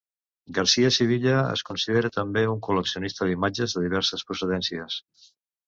Garcia Sevilla es considera també un col·leccionista d'imatges de diverses procedències.